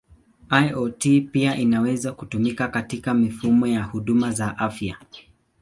IoT pia inaweza kutumika katika mifumo ya huduma ya afya.